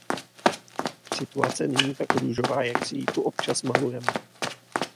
Situace není tak růžová, jak si ji tu občas malujeme.